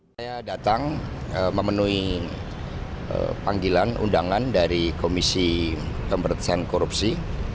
saya datang memenuhi panggilan undangan dari komisi pemerintahan korupsi